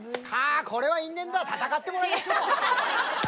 これは因縁だ戦ってもらいましょう！